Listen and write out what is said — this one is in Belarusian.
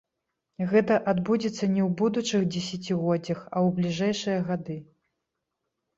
Гэта адбудзецца не ў будучых дзесяцігоддзях, а ў бліжэйшыя гады.